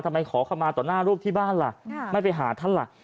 ทำไมขอขมาตรงหน้ารูปที่บ้านล่ะไม่ไปหาท่านล่ะ